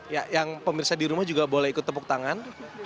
ya yang pemirsa di rumah juga boleh ikut tepuk tangan